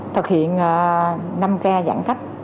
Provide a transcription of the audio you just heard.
thực hiện năm k giãn cách